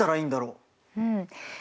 うん。